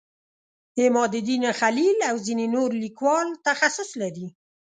عمادالدین خلیل او ځینې نور لیکوال تخصص لري.